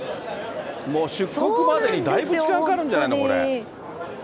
もう出国までにだいぶ時間かかるんじゃないの？